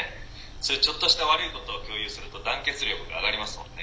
そういうちょっとした悪いことを共有すると団結力が上がりますもんね」。